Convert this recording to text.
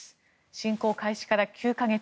侵攻開始から９か月。